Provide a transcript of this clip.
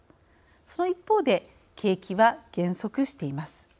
その一方で景気は減速しています。